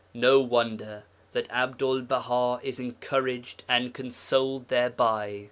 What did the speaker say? No wonder that Abdul Baha is encouraged and consoled thereby.